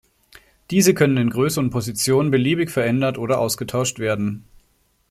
Diese können in Größe und Position beliebig verändert oder ausgetauscht werden.